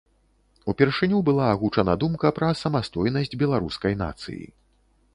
Упершыню была агучана думка пра самастойнасць беларускай нацыі.